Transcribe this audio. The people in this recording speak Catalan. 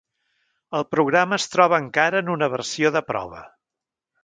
El programa es troba encara en una versió de prova.